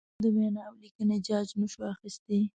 د وینا اولیکنې جاج نشو اخستی.